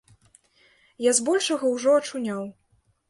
Я збольшага ўжо ачуняў.